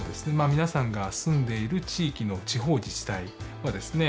皆さんが住んでいる地域の地方自治体はですね